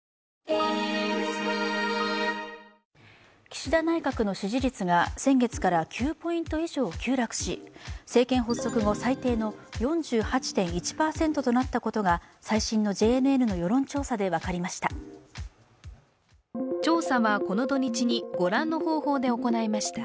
岸田内閣の支持率が先月から９ポイント以上急落し政権発足後最低の４８．１％となったことが最新のＪＮＮの世論調査で分かりました。